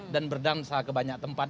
dan berdansa ke banyak tempat